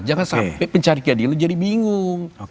jangan sampai pencarian dia jadi bingung